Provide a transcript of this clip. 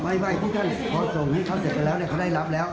ไม่พี่ท่านพอส่งให้เขาเสร็จก็ได้รับแล้ว